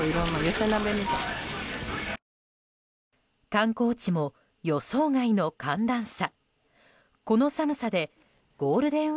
観光地も予想外の寒暖差。